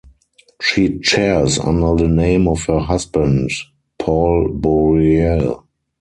She chairs under the name of her husband, Paul Bouïrel.